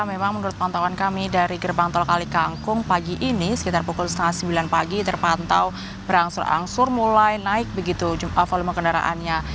memang menurut pantauan kami dari gerbang tol kalikangkung pagi ini sekitar pukul setengah sembilan pagi terpantau berangsur angsur mulai naik begitu volume kendaraannya